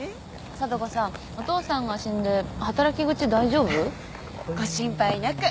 聡子さんお父さんが死んで働き口大丈夫？ご心配なく。